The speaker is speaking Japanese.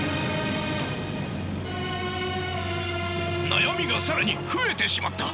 悩みが更に増えてしまった！